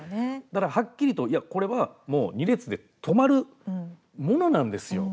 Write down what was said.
はっきりと、これはもう「２列で止まるものなんですよ